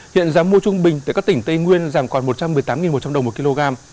hiện giá mua trung bình tại các tỉnh tây nguyên giảm còn một trăm một mươi tám một trăm linh đồng một kg